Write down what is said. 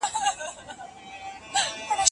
که په ټولنه کې اختلاف وي نو بیا هم خلګ ګډ ژوند کوي.